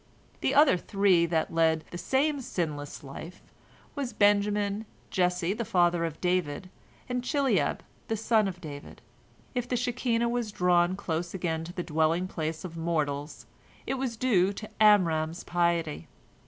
The other three that led the same sinless life were Benjamin, Jesse the father of David, and Chileab the son of David. If the Shekinah was drawn close again to the dwelling place of mortals, it was due to Amram's piety.